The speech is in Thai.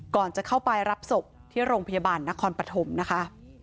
ก่อนจะเข้าไปรับศพที่โรงพยาบาลนครปฐมนะคะ